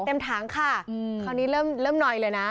เต็มถังค่ะคราวนี้เริ่มหน่อยเลยนะ